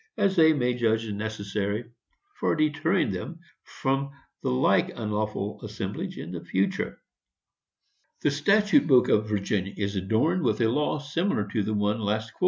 as they may judge necessary for deterring them from the like unlawful assemblage in future." [Sidenote: Stroud, pp. 88, 89.] The statute book of Virginia is adorned with a law similar to the one last quoted.